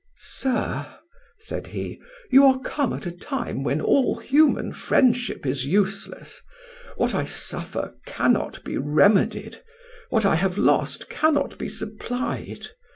"Sir," said he, "you are come at a time when all human friendship is useless; what I suffer cannot be remedied: what I have lost cannot be supplied.